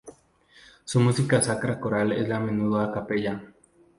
Su música sacra coral es a menudo a capella.